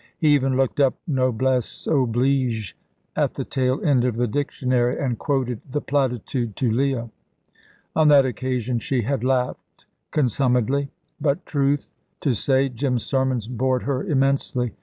He even looked up Noblesse oblige at the tail end of the dictionary, and quoted the platitude to Leah. On that occasion she had laughed consumedly; but, truth to say, Jim's sermons bored her immensely.